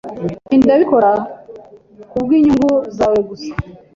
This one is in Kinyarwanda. Ibi ndabikora kubwinyungu zawe gusa.